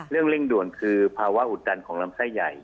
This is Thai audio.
เร่งด่วนคือภาวะอุดตันของลำไส้ใหญ่